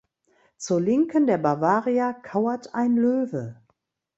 Zur Linken der Bavaria kauert ein Löwe.